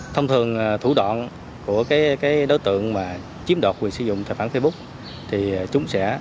thông thường thủ đoạn của đối tượng chiếm đoạt quyền sử dụng tài khoản facebook